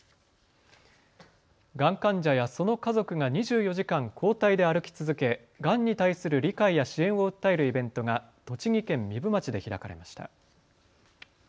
がん患者やその家族が２４時間、交代で歩き続け、がんに対する理解や支援を訴えるイベントが栃木県壬生町で開かれました。